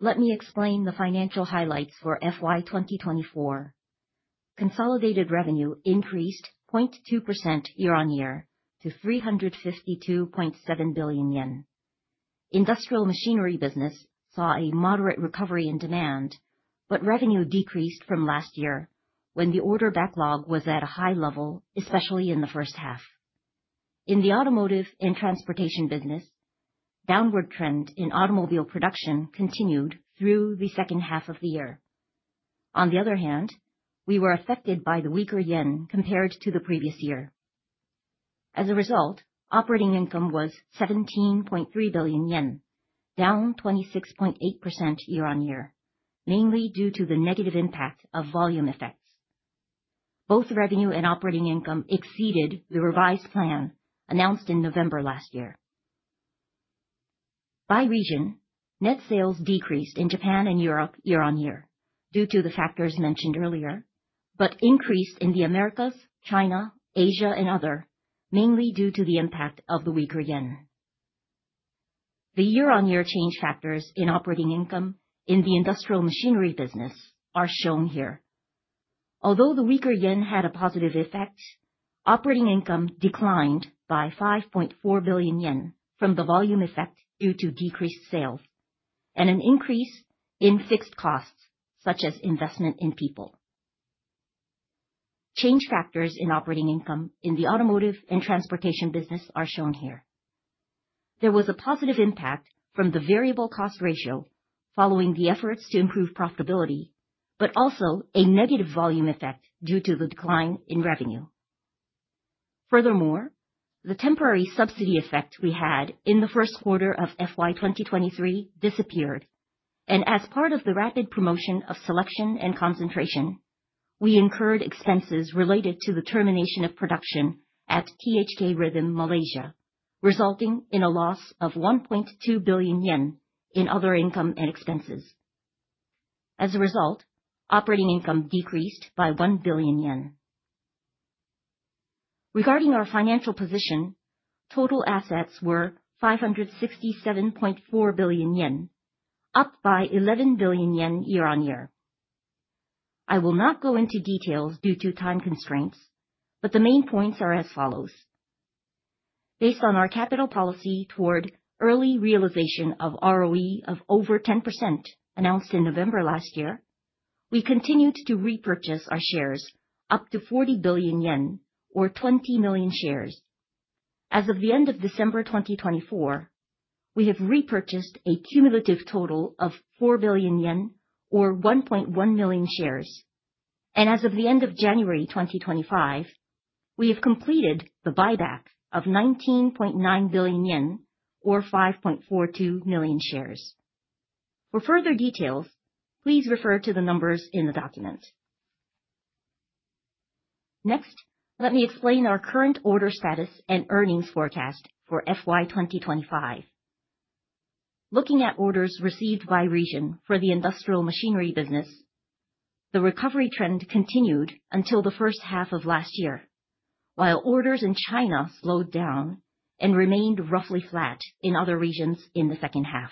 Let me explain the financial highlights for FY 2024. Consolidated revenue increased 0.2% year-on-year to 352.7 billion yen. Industrial machinery business saw a moderate recovery in demand, but revenue decreased from last year, when the order backlog was at a high level, especially in the first half. In the automotive and transportation business, downward trend in automobile production continued through the second half of the year. On the other hand, we were affected by the weaker yen compared to the previous year. As a result, operating income was 17.3 billion yen, down 26.8% year-on-year, mainly due to the negative impact of volume effects. Both revenue and operating income exceeded the revised plan announced in November last year. By region, net sales decreased in Japan and Europe year-on-year due to the factors mentioned earlier, but increased in the Americas, China, Asia, and other, mainly due to the impact of the weaker yen. The year-on-year change factors in operating income in the industrial machinery business are shown here. Although the weaker yen had a positive effect, operating income declined by 5.4 billion yen from the volume effect due to decreased sales and an increase in fixed costs such as investment in people. Change factors in operating income in the automotive and transportation business are shown here. There was a positive impact from the variable cost ratio following the efforts to improve profitability, but also a negative volume effect due to the decline in revenue. Furthermore, the temporary subsidy effect we had in the first quarter of FY 2023 disappeared. As part of the rapid promotion of selection and concentration, we incurred expenses related to the termination of production at THK RHYTHM Malaysia, resulting in a loss of 1.2 billion yen in other income and expenses. As a result, operating income decreased by 1 billion yen. Regarding our financial position, total assets were 567.4 billion yen, up by 11 billion yen year-on-year. I will not go into details due to time constraints, but the main points are as follows. Based on our capital policy toward early realization of ROE of over 10% announced in November last year, we continued to repurchase our shares up to 40 billion yen or 20 million shares. As of the end of December 2024, we have repurchased a cumulative total of 4 billion yen or 1.1 million shares. As of the end of January 2025, we have completed the buyback of 19.9 billion yen or 5.42 million shares. For further details, please refer to the numbers in the document. Next, let me explain our current order status and earnings forecast for FY 2025. Looking at orders received by region for the industrial machinery business, the recovery trend continued until the first half of last year, while orders in China slowed down and remained roughly flat in other regions in the second half.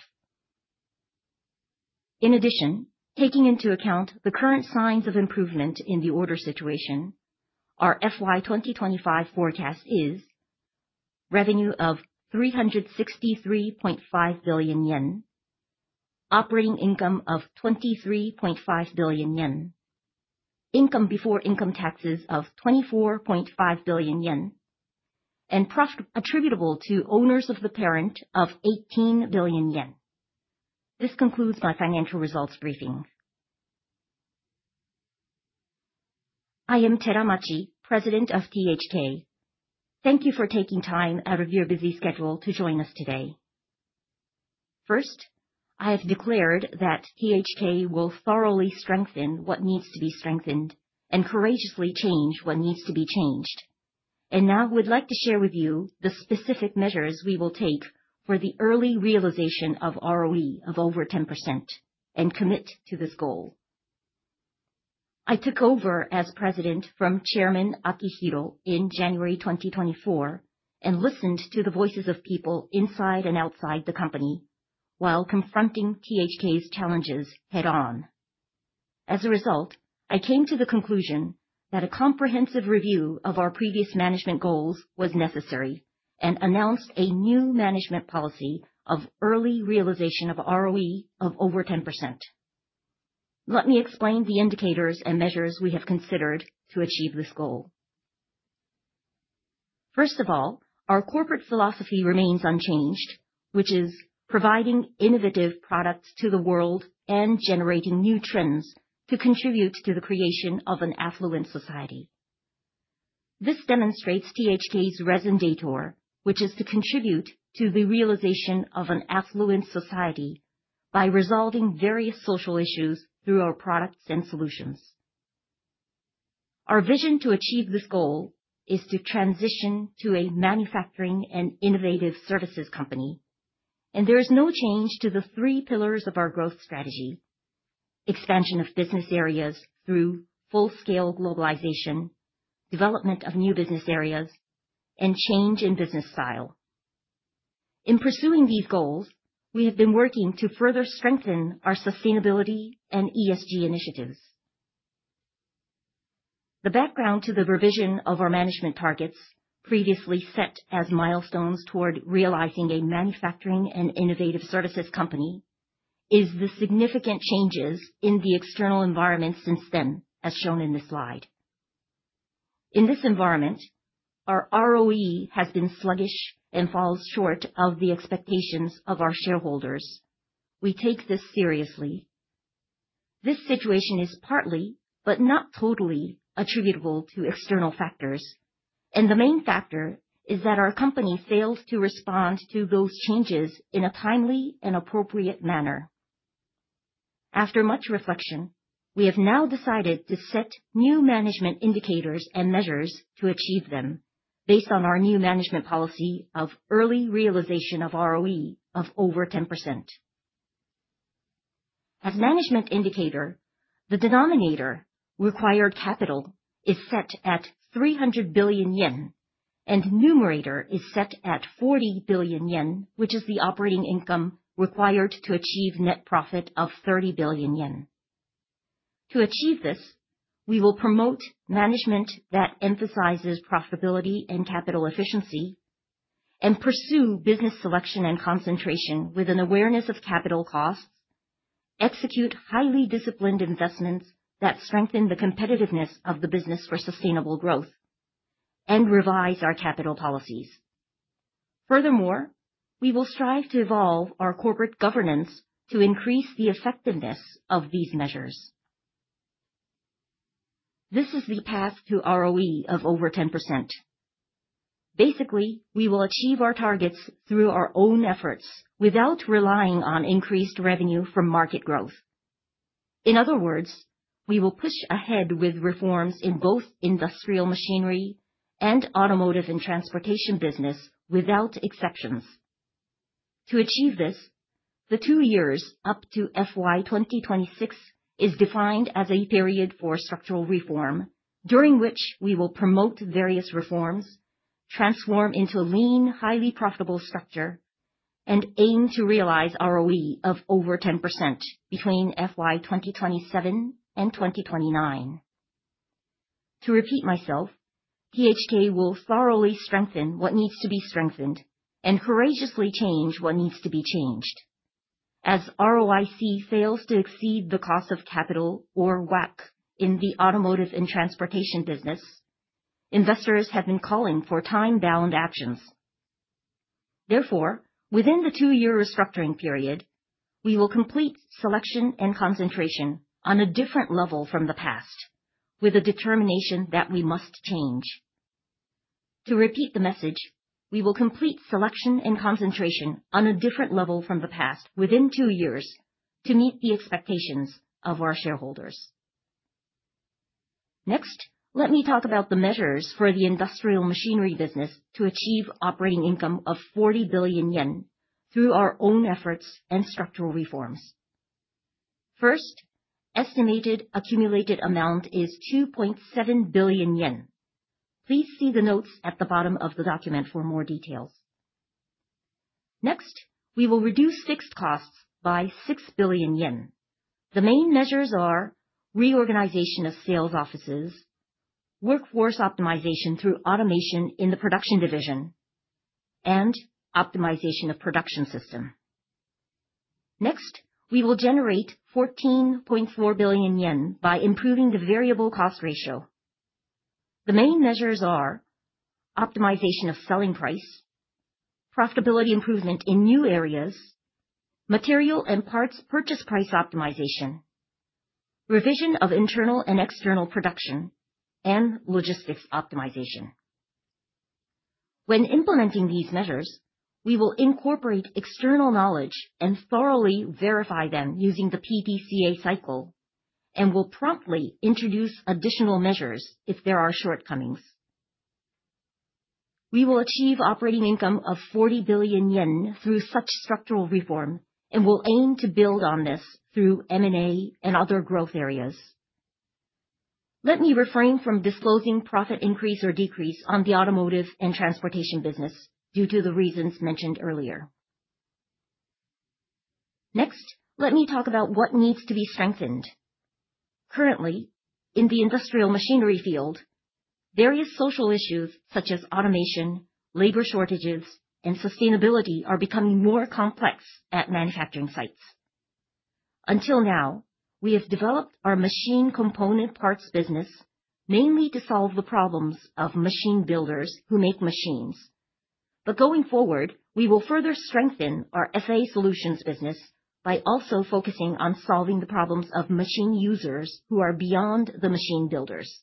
In addition, taking into account the current signs of improvement in the order situation, our FY 2025 forecast is revenue of 363.5 billion yen, operating income of 23.5 billion yen, income before income taxes of 24.5 billion yen, and profit attributable to owners of the parent of 18 billion yen. This concludes my financial results briefing. I am Teramachi, President of THK. Thank you for taking time out of your busy schedule to join us today. First, I have declared that THK will thoroughly strengthen what needs to be strengthened and courageously change what needs to be changed. Now we'd like to share with you the specific measures we will take for the early realization of ROE of over 10% and commit to this goal. I took over as president from Chairman Akihiro Teramachi in January 2024 and listened to the voices of people inside and outside the company while confronting THK's challenges head-on. As a result, I came to the conclusion that a comprehensive review of our previous management goals was necessary and announced a new management policy of early realization of ROE of over 10%. Let me explain the indicators and measures we have considered to achieve this goal. First of all, our corporate philosophy remains unchanged, which is providing innovative products to the world and generating new trends to contribute to the creation of an affluent society. This demonstrates THK's raison d'être, which is to contribute to the realization of an affluent society by resolving various social issues through our products and solutions. Our vision to achieve this goal is to transition to a manufacturing and innovative services company, and there is no change to the three pillars of our growth strategy. Expansion of business areas through full scale globalization, development of new business areas, and change in business style. In pursuing these goals, we have been working to further strengthen our sustainability and ESG initiatives. The background to the revision of our management targets previously set as milestones toward realizing a manufacturing and innovative services company is the significant changes in the external environment since then, as shown in this slide. In this environment, our ROE has been sluggish and falls short of the expectations of our shareholders. We take this seriously. This situation is partly, but not totally attributable to external factors, and the main factor is that our company fails to respond to those changes in a timely and appropriate manner. After much reflection, we have now decided to set new management indicators and measures to achieve them based on our new management policy of early realization of ROE of over 10%. As management indicator, the denominator required capital is set at 300 billion yen, and numerator is set at 40 billion yen, which is the operating income required to achieve net profit of 30 billion yen. To achieve this, we will promote management that emphasizes profitability and capital efficiency and pursue business selection and concentration with an awareness of capital costs, execute highly disciplined investments that strengthen the competitiveness of the business for sustainable growth, and revise our capital policies. Furthermore, we will strive to evolve our corporate governance to increase the effectiveness of these measures. This is the path to ROE of over 10%. Basically, we will achieve our targets through our own efforts without relying on increased revenue from market growth. In other words, we will push ahead with reforms in both industrial machinery and automotive and transportation business without exceptions. To achieve this, the two years up to FY 2026 is defined as a period for structural reform, during which we will promote various reforms, transform into lean, highly profitable structure, and aim to realize ROE of over 10% between FY 2027 and 2029. To repeat myself, THK will thoroughly strengthen what needs to be strengthened and courageously change what needs to be changed. As ROIC fails to exceed the cost of capital or WACC in the automotive and transportation business, investors have been calling for time-bound actions. Therefore, within the two year restructuring period, we will complete selection and concentration on a different level from the past with a determination that we must change. To repeat the message, we will complete selection and concentration on a different level from the past within two years to meet the expectations of our shareholders. Next, let me talk about the measures for the industrial machinery business to achieve operating income of 40 billion yen through our own efforts and structural reforms. First, estimated accumulated amount is 2.7 billion yen. Please see the notes at the bottom of the document for more details. Next, we will reduce fixed costs by 6 billion yen. The main measures are reorganization of sales offices, workforce optimization through automation in the production division, and optimization of production system. Next, we will generate 14.4 billion yen by improving the variable cost ratio. The main measures are optimization of selling price, profitability improvement in new areas, material and parts purchase price optimization, revision of internal and external production, and logistics optimization. When implementing these measures, we will incorporate external knowledge and thoroughly verify them using the PDCA cycle and will promptly introduce additional measures if there are shortcomings. We will achieve operating income of 40 billion yen through such structural reform and will aim to build on this through M&A and other growth areas. Let me refrain from disclosing profit increase or decrease on the automotive and transportation business due to the reasons mentioned earlier. Next, let me talk about what needs to be strengthened. Currently, in the industrial machinery field, various social issues such as automation, labor shortages, and sustainability are becoming more complex at manufacturing sites. Until now, we have developed our machine component parts business mainly to solve the problems of machine builders who make machines. Going forward, we will further strengthen our FA solutions business by also focusing on solving the problems of machine users who are beyond the machine builders.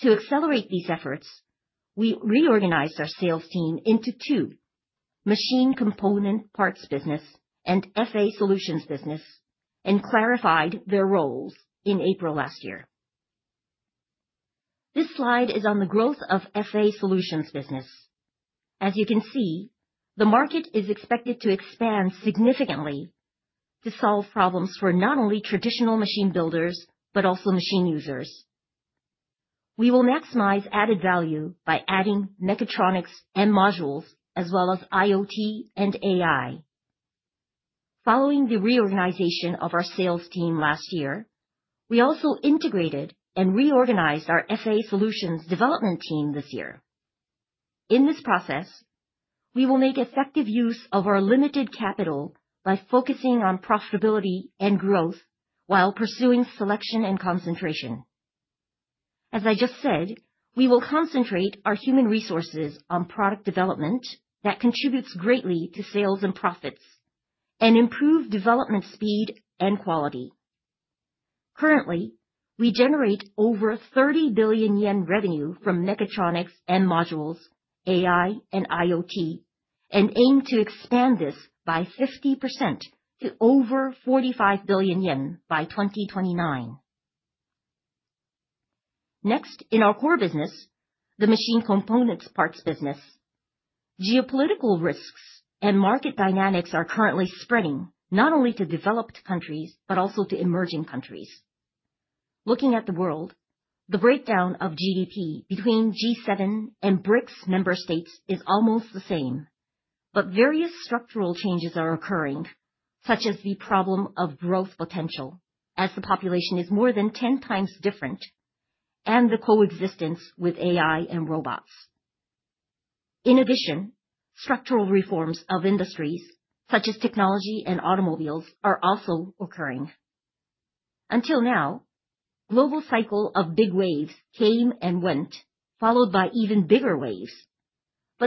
To accelerate these efforts, we reorganized our sales team into two machine component parts business and FA solutions business and clarified their roles in April last year. This slide is on the growth of FA solutions business. As you can see, the market is expected to expand significantly to solve problems for not only traditional machine builders, but also machine users. We will maximize added value by adding mechatronics and modules, as well as IoT and AI. Following the reorganization of our sales team last year, we also integrated and reorganized our FA solutions development team this year. In this process, we will make effective use of our limited capital by focusing on profitability and growth while pursuing selection and concentration. As I just said, we will concentrate our human resources on product development that contributes greatly to sales and profits, and improve development speed and quality. Currently, we generate over 30 billion yen revenue from mechatronics and modules, AI and IoT, and aim to expand this by 50% to over 45 billion yen by 2029. Next, in our core business, the machine components parts business, geopolitical risks and market dynamics are currently spreading, not only to developed countries, but also to emerging countries. Looking at the world, the breakdown of GDP between G7 and BRICS member states is almost the same. Various structural changes are occurring, such as the problem of growth potential, as the population is more than 10x different, and the coexistence with AI and robots. In addition, structural reforms of industries such as technology and automobiles are also occurring. Until now, global cycle of big waves came and went, followed by even bigger waves.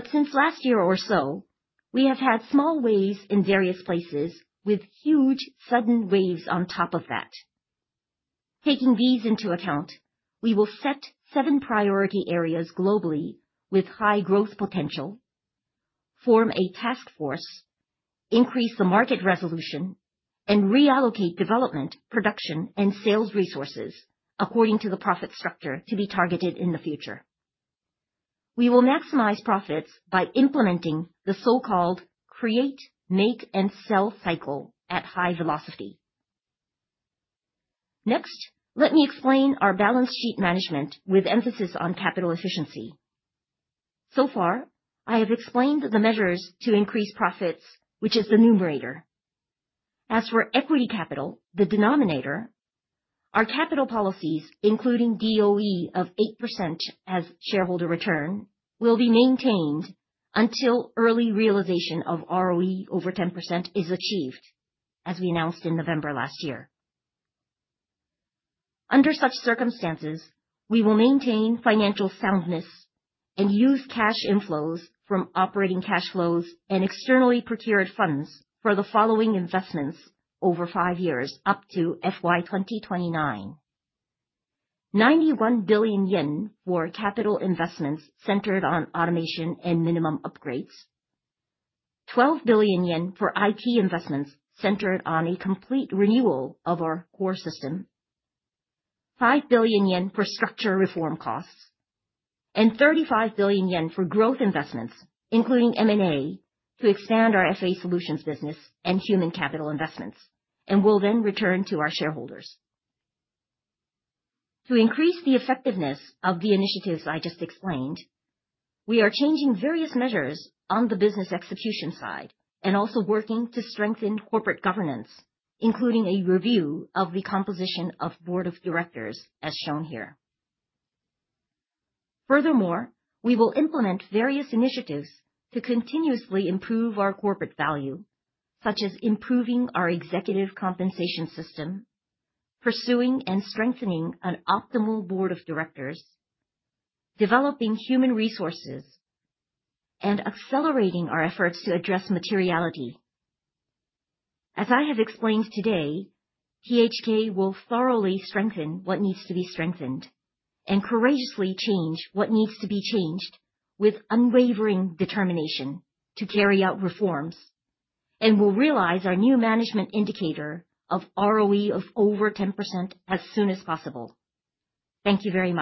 Since last year or so, we have had small waves in various places with huge sudden waves on top of that. Taking these into account, we will set seven priority areas globally with high growth potential, form a task force, increase the market resolution, and reallocate development, production, and sales resources according to the profit structure to be targeted in the future. We will maximize profits by implementing the so-called create, make, and sell cycle at high velocity. Next, let me explain our balance sheet management with emphasis on capital efficiency. So far, I have explained the measures to increase profits, which is the numerator. As for equity capital, the denominator, our capital policies, including DOE of 8% as shareholder return, will be maintained until early realization of ROE over 10% is achieved, as we announced in November last year. Under such circumstances, we will maintain financial soundness and use cash inflows from operating cash flows and externally procured funds for the following investments over five years up to FY 2029. 91 billion yen for capital investments centered on automation and minimal upgrades. 12 billion yen for IT investments centered on a complete renewal of our core system. 5 billion yen for structural reform costs. 35 billion yen for growth investments, including M&A, to expand our FA solutions business and human capital investments. We'll then return to our shareholders. To increase the effectiveness of the initiatives I just explained, we are changing various measures on the business execution side and also working to strengthen corporate governance, including a review of the composition of board of directors as shown here. Furthermore, we will implement various initiatives to continuously improve our corporate value, such as improving our executive compensation system, pursuing and strengthening an optimal board of directors, developing human resources, and accelerating our efforts to address materiality. As I have explained today, THK will thoroughly strengthen what needs to be strengthened and courageously change what needs to be changed with unwavering determination to carry out reforms, and will realize our new management indicator of ROE of over 10% as soon as possible. Thank you very much.